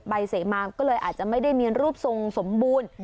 เสมาก็เลยอาจจะไม่ได้มีรูปทรงสมบูรณ์